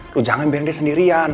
lo jangan biarin dia sendirian